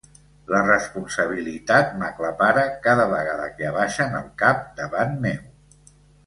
La responsabilitat m'aclapara cada vegada que abaixen el cap davant meu.